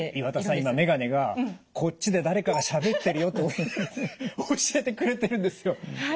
今眼鏡がこっちで誰かがしゃべってるよって教えてくれてるんですよ。